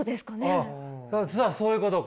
ああそういうことか。